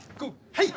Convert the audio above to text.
はい！